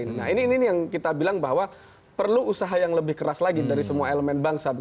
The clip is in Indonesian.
nah ini yang kita bilang bahwa perlu usaha yang lebih keras lagi dari semua elemen bangsa